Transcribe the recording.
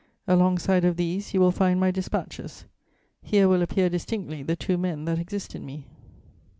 Alongside of these, you will find my dispatches. Here will appear distinctly the two men that exist in me.